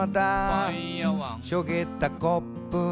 「しょげたコップに」